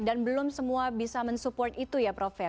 dan belum semua bisa mensupport itu ya prof ya